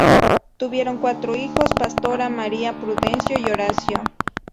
Tuvieron cuatro hijos: Pastora, María, Prudencio y Horacio.